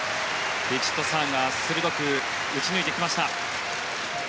ヴィチットサーンが鋭く打ち抜いてきました。